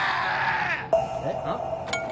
えっ？あっ？